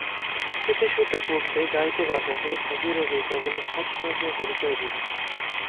খেতে-শুতে-পরতে, গাইতে-বাজাতে, ভোগে-রোগে কেবলই সৎসাহসের পরিচয় দিবি।